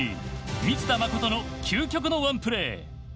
満田誠の究極のワンプレー。